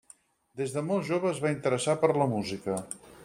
Des de molt jove es va interessar per la música.